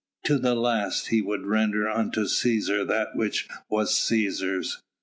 To the last he would render unto Cæsar that which was Cæsar's.